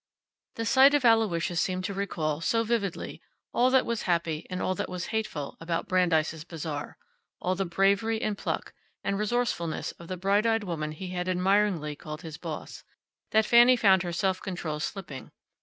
The sight of Aloysius seemed to recall so vividly all that was happy and all that was hateful about Brandeis' Bazaar; all the bravery and pluck, and resourcefulness of the bright eyed woman he had admiringly called his boss, that Fanny found her self control slipping.